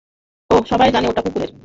ওহ, সবাই জানে ওটা কুকুরের।